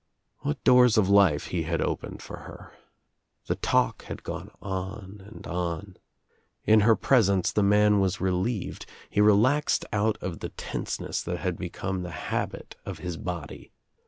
What doors of life he had opened for her I The talk had gone on 250 THE TRIUMPH OF THE EGG and on. In her presence the man was relieved, he r^ laxed out of the tenseness that had become the habit of his body.